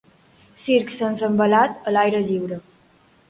Circ sense envelat, a l'aire lliure.